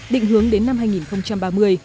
định hướng đến năm hai nghìn ba mươi